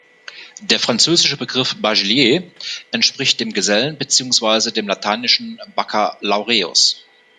Der französische Begriff "Bachelier" entspricht dem Gesellen beziehungsweise dem lateinischen "Baccalaureus".